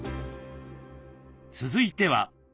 続いては。